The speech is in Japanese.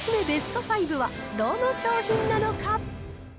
ベスト５は、どの商品なのか。